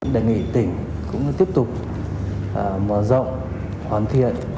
đề nghị tỉnh cũng tiếp tục mở rộng hoàn thiện